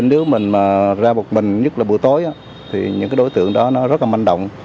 nếu mình ra một mình nhất là buổi tối thì những đối tượng đó rất là manh động